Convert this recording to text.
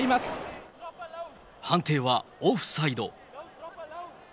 判定はオフサイド。